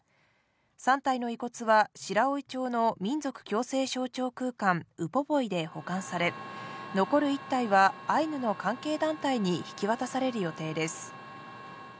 ３体の遺骨は白老町の民族共生象徴空間ウポポイで保管され、残る１体はアイヌの関係団体に引き渡される予定です。